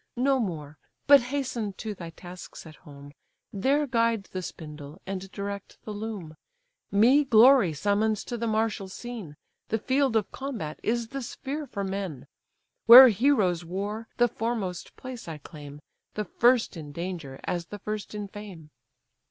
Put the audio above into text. No more—but hasten to thy tasks at home, There guide the spindle, and direct the loom: Me glory summons to the martial scene, The field of combat is the sphere for men. Where heroes war, the foremost place I claim, The first in danger as the first in fame."